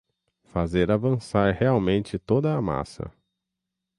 fazer avançar realmente toda a massa